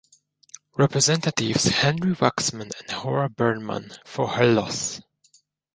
Representatives Henry Waxman and Howard Berman for her loss.